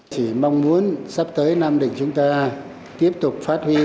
chỉ mong muốn sắp tới nam định chúng ta tiếp tục phát huy